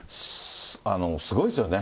すごいですよね。